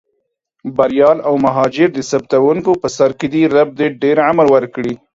بریال او مهاجر د ثبتوونکو په سر کې دي، رب دې ډېر عمر ورکړي.